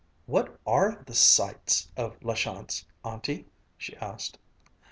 "What are the 'sights' of La Chance, Auntie?" she asked.